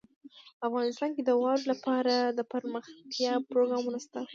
افغانستان کې د واوره لپاره دپرمختیا پروګرامونه شته.